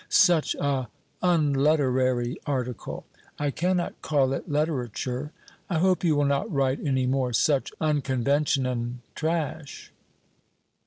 Such a unletterary article. I cannot call it letterature. I hope you will not write any more such unconventionan trash."